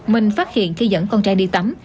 mình phát hiện khi dẫn con trăng đi tắm